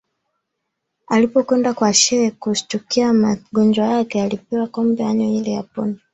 Alipoenda kwa Shehe kushtukia magonjwa ake alipewa kombe anywe ili apone